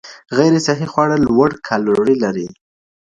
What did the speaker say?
غیر صحي خواړه لوړ کالوري لري.